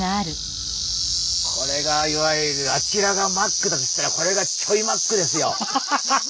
これがいわゆるあちらがマックだとしたらこれがちょいマックですよ。